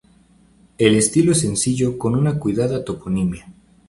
El estilo es sencillo con una cuidada toponimia.